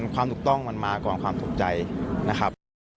ความถูกต้องมันมาก่อนความถูกใจนะครับ